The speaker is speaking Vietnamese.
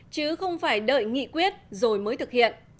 chứ không phải đợi nghị quyết rồi mới thực hiện